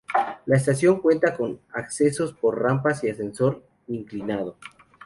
La estación cuenta con accesos por rampa y ascensor inclinado.